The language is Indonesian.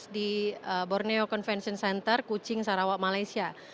di borneo convention center kucing sarawak malaysia